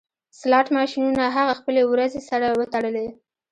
سلاټ ماشینونه هغه خپلې وروځې سره وتړلې